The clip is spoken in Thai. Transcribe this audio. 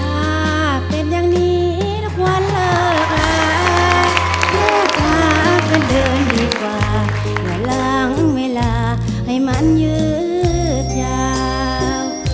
ถ้าเป็นอย่างนี้ทุกวันเลิกลาเลิกพากันเดินดีกว่ามาล้างเวลาให้มันยืดยาว